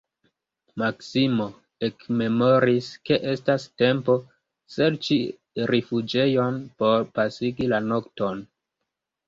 Maksimo ekmemoris, ke estas tempo serĉi rifuĝejon por pasigi la nokton.